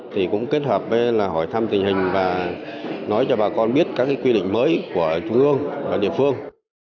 thì cũng kết hợp với là hỏi thăm tình hình và nói cho bà con biết các quy định mới của trung ương và địa phương